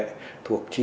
thuộc chín trường trường